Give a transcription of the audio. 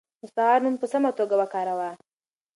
مستعار نوم په سمه توګه وکاروه.